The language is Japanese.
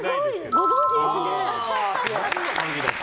ご存じですね。